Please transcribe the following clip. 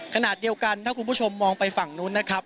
ขณะเดียวกันถ้าคุณผู้ชมมองไปฝั่งนู้นนะครับ